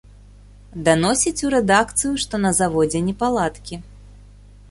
Даносіць у рэдакцыю, што на заводзе непаладкі.